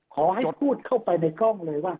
ขอให้พูดเข้าไปในกล้องเลยว่า